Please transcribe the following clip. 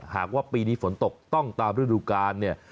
หากว่าปีนี้ฝนตกต้องตามฤดูกาลเนี่ย